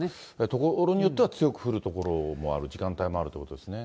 所によっては強く降る所もある時間帯もあるということですね。